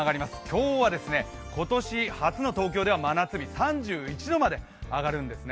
今日は今年初の東京では真夏日３１度まで上がるんですね。